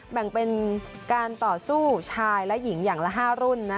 แบ่งเป็นการต่อสู้ชายและหญิงอย่างละ๕รุ่น